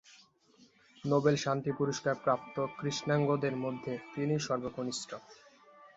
Nobel শান্তি পুরস্কারপ্রাপ্ত কৃষ্ণাঙ্গদের মধ্যে তিনিই সর্বকনিষ্ঠ।